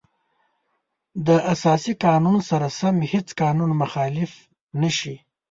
د اساسي قانون سره سم هیڅ قانون مخالف نشي.